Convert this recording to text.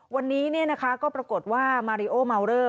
วันนี้ก็ปรากฏว่ามาริโอมาวเลอร์